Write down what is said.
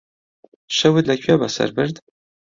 شەوت لەکوێ بەسەر برد؟